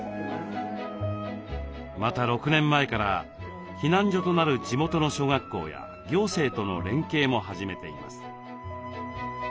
また６年前から避難所となる地元の小学校や行政との連携も始めています。